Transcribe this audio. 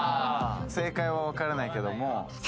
正解は分からないけどもや？